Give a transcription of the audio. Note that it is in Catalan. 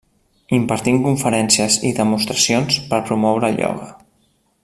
Impartint conferències i demostracions per promoure el ioga.